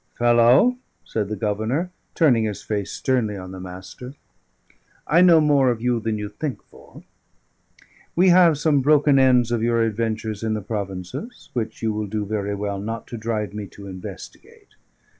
"Fellow," said the Governor, turning his face sternly on the Master, "I know more of you than you think for. We have some broken ends of your adventures in the provinces, which you will do very well not to drive me to investigate.